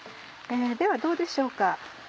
ではどうでしょうか。